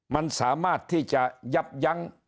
มันสามารถที่จะยับยั้ง